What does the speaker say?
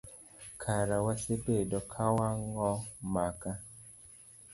Kara wasebedo kawawang'o maka.